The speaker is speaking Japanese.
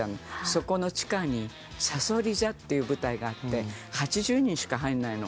そこの地下に蠍座っていう舞台があって８０人しか入らないの。